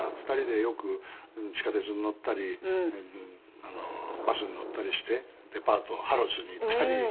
２人でよく地下鉄に乗ったりバスに乗ったりしてデパートハロッズに行ったり。